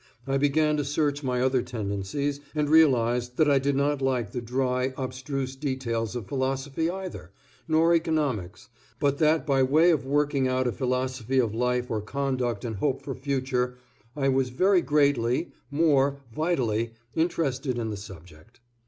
I began to search my other tendencies and realized that I did not like the dry, obstruse details of philosophy either, nor economics, but that by way of working out a philosophy of life or conduct and hope for future, I was very greatly, more, vitally, interested in the subject.